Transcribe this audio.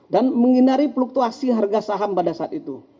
dan menghindari pluktuasi harga saham pada saat itu